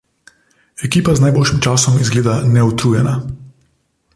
Ekipa z najboljšim časom izgleda neutrujena.